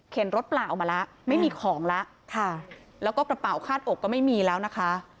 รถเปล่ามาแล้วไม่มีของแล้วค่ะแล้วก็กระเป๋าคาดอกก็ไม่มีแล้วนะคะ